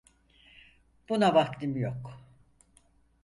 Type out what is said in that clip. Buna vaktim yok.